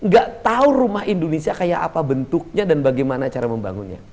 gak tahu rumah indonesia kayak apa bentuknya dan bagaimana cara membangunnya